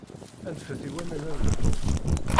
Anfet i waman ad lḥun.